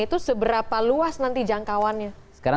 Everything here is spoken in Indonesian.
itu seberapa luas nanti jangkauannya